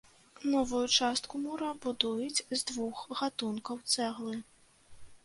Новую частку мура будуюць з двух гатункаў цэглы.